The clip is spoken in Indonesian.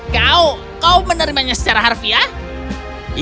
kau kau menerimanya secara harfiah